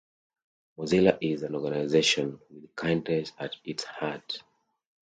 Mozilla is an organization with kindness at its heart.